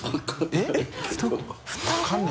えっ？